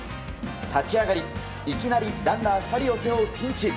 立ち上がり、いきなりランナー２人を背負うピンチ。